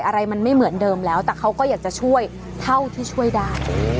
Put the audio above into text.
อะไรมันไม่เหมือนเดิมแล้วแต่เขาก็อยากจะช่วยเท่าที่ช่วยได้